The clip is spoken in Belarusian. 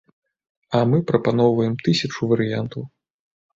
А мы прапаноўваем тысячу варыянтаў.